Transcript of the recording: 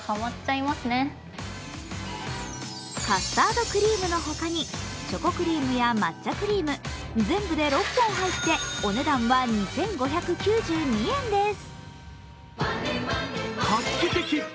カスタードクリームの他に、チョコクリームや抹茶クリーム、全部で６本入ってお値段は２５９２円です。